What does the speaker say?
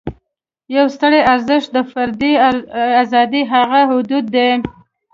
یو ستر ارزښت د فردي آزادۍ هغه حدود دي.